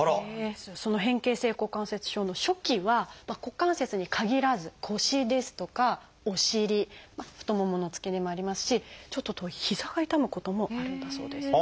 その変形性股関節症の初期は股関節に限らず腰ですとかお尻太ももの付け根もありますしちょっと遠いひざが痛むこともあるんだそうです。